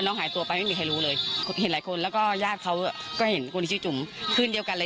น้องจ้อยนั่งก้มหน้าไม่มีใครรู้ข่าวว่าน้องจ้อยเสียชีวิตไปแล้ว